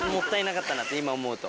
今思うと。